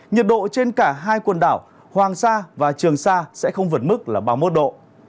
nhiệt độ trên cả hai quần đảo hoàng sa và trường sa sẽ không vượt mức là ba mươi một độ